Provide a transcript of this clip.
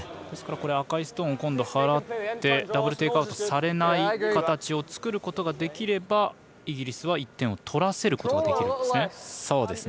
ですから赤いストーン払ってダブル・テイクアウトされない形を作ることができればイギリスは１点を取らせることができるんですね。